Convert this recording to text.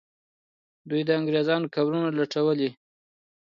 دوی د انګریزانو قبرونه لټولې.